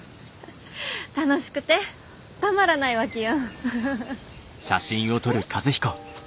楽しくてたまらないわけよ。